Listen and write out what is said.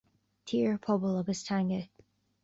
Tír, Pobal agus Teanga